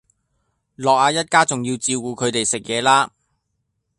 諾亞一家仲要照顧佢哋食嘢啦